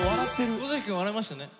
五関くん笑いましたね。